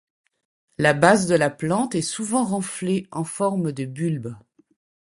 La base de la plante est souvent renflée en forme de bulbe.